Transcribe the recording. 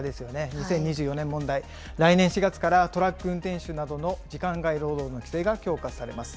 ２０２４年問題、来年４月からトラック運転手などの時間外労働の規制が強化されます。